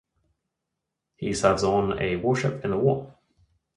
He serves on a warship in the war.